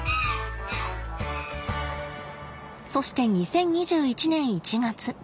そして２０２１年１月。